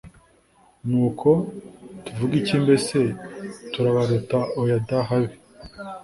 Nuko tuvuge iki mbese turabaruta oyada habe